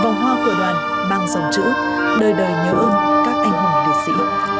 vòng hoa của đoàn mang dòng chữ đời đời nhớ ơn các anh hùng liệt sĩ